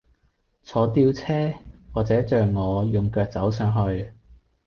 坐吊車，或者像我用腳走上去